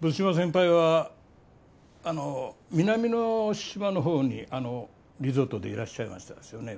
毒島先輩はあの南の島のほうにリゾートでいらっしゃいましたですよね。